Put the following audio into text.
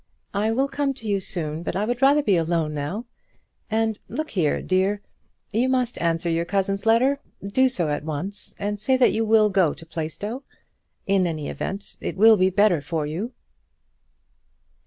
"I will come to you soon, but I would rather be alone now. And, look here, dear; you must answer your cousin's letter. Do so at once, and say that you will go to Plaistow. In any event it will be better for you."